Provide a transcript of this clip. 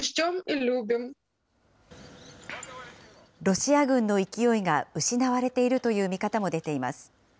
ロシア軍の勢いが失われているという見方も出ています。